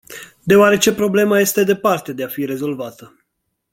Deoarece problema este departe de a fi rezolvată.